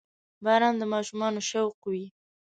• باران د ماشومانو شوق وي.